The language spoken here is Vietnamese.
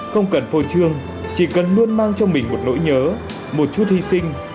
không cần phô trương chỉ cần luôn mang trong mình một nỗi nhớ một chút hy sinh